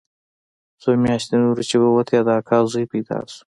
څو مياشتې نورې چې ووتې د اکا زوى پيدا سو.